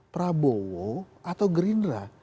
prabowo atau gerindra